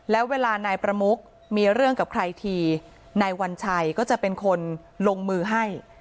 แล้วเวลานายประมุกมีเรื่องกับใครทีนายวัญชัยก็จะเป็นคนลงมือให้